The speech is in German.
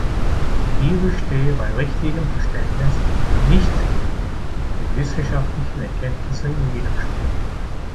Die Bibel stehe bei richtigem Verständnis nicht mit wissenschaftlichen Erkenntnissen im Widerspruch.